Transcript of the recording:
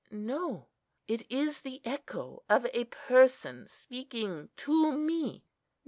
No, it is the echo of a person speaking to me.